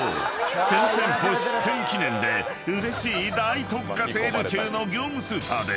１，０００店舗出店記念でうれしい大特価セール中の業務スーパーで］